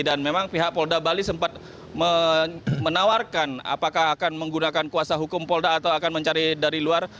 dan memang pihak kepolda bali sempat menawarkan apakah akan menggunakan kuasa hukum polda atau akan mencari dari luar